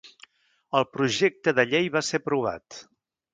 El projecte de llei va ser aprovat.